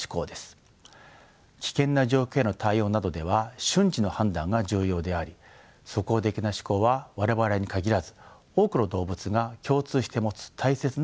危険な状況への対応などでは瞬時の判断が重要であり即応的な思考は我々に限らず多くの動物が共通して持つ大切な能力です。